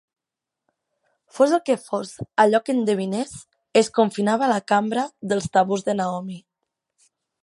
Fos el que fos allò que endevinés, es confinava a la cambra dels tabús de Naomi.